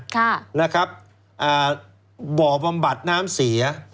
ค่ะนะครับอ่าบ่อบำบัดน้ำเสีย